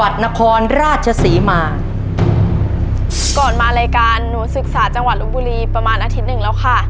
ไอ้มายเท่าไหร่ลุง